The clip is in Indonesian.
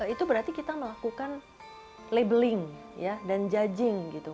itu berarti kita melakukan labeling dan judging gitu